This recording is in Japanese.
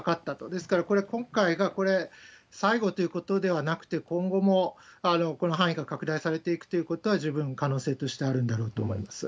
ですから、これ、今回がこれ、最後ということではなくて、今後もこの範囲が拡大されていくということは、十分可能性としてあるんだろうと思います。